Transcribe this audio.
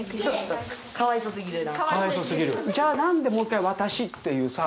じゃあ何でもう一回「私」っていうさ